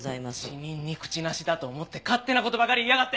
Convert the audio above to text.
死人に口なしだと思って勝手な事ばかり言いやがって！